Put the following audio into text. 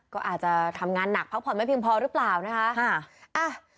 ก็อาจจะทำงานหนักพักผ่อนไม่เพียงพอหรือเปล่านะคะ